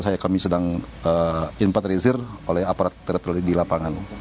saya kami sedang inpatrizir oleh aparat terlepas di lapangan